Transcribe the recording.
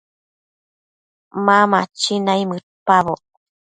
Ma machi naimëdpaboc